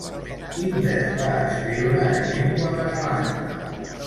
Quin vers va escriure en llengua catalana?